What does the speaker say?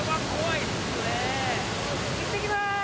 いってきます！